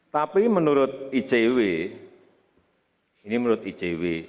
tapi menurut icw ini menurut icw